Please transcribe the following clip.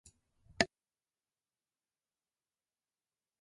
こんにちはーー会いたいです